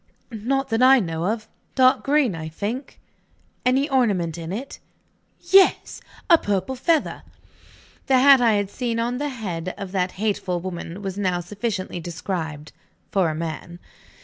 "Not that I know of. Dark green, I think." "Any ornament in it?" "Yes! A purple feather." The hat I had seen on the head of that hateful woman was now sufficiently described for a man.